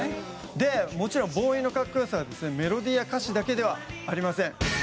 でもちろんＢＯＷＹのかっこ良さはですねメロディーや歌詞だけではありません。